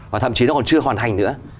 và thậm chí nó còn chưa hoàn thành nữa